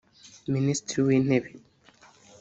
Minisitiri w’intebe